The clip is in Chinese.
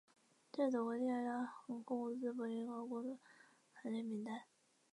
这是德国第二大航空公司柏林航空的航点名单。